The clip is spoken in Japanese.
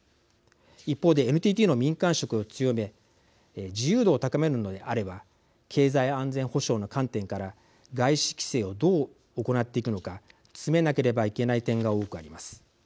一方で、ＮＴＴの民間色を強め自由度を高めるのであれば経済安全保障の観点から外資規制をどう行っていくのか詰めなければいけない点が多くあります。